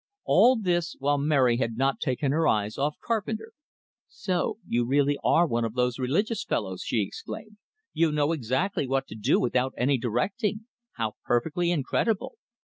All this while Mary had not taken her eyes off Carpenter. "So you are really one of those religious fellows!" she exclaimed. "You'll know exactly what to do without any directing! How perfectly incredible!"